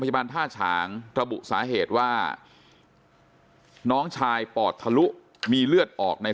บ้านท่าฉางระบุสาเหตุว่าน้องชายปอดทะลุมีเลือดออกใน